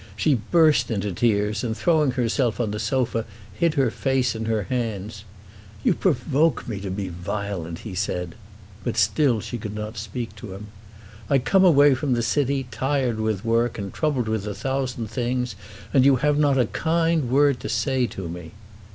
She burst into tears, and throwing herself on the sofa hid her face in her hands. "You provoke me to be violent," he said. But still she could not speak to him. "I come away from the city, tired with work and troubled with a thousand things, and you have not a kind word to say to me."